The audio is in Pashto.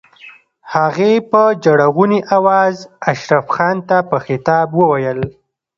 هغې په ژړغوني آواز اشرف خان ته په خطاب وويل.